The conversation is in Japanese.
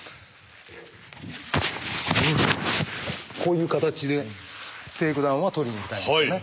こういう形でテイクダウンは取りにいきたいんですね。